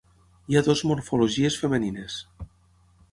Hi ha dues morfologies femenines.